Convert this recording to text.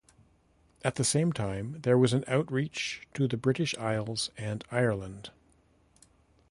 At the same time there was an outreach to the British Isles and Ireland.